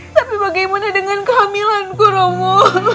tapi bagaimana dengan kehamilanku romo